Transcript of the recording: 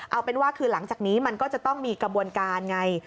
เอาเป็นว่าคือหลังจากนี้มันก็จะต้องมีกระบวนการไง